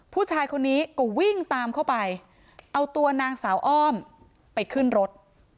ผู้ชายคนนี้ก็วิ่งตามเข้าไปเอาตัวนางสาวอ้อมไปขึ้นรถ